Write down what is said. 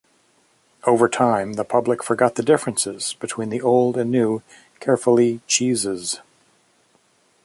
Over time, the public forgot the difference between the old and new Caerphilly cheeses.